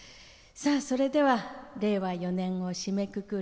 それでは令和４年を締めくくる